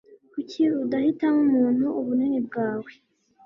Kuki udahitamo umuntu ubunini bwawe?